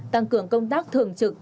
tăng cường công tác thường trực